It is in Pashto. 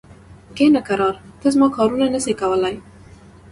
کښینه کرار! ته زما کارونه نه سې کولای.